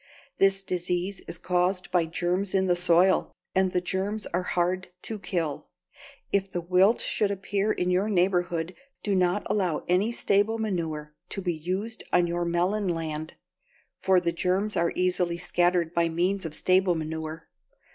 This disease is caused by germs in the soil, and the germs are hard to kill. If the wilt should appear in your neighborhood, do not allow any stable manure to be used on your melon land, for the germs are easily scattered by means of stable manure.